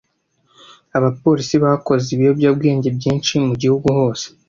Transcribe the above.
Abapolisi bakoze ibiyobyabwenge byinshi mu gihugu hose.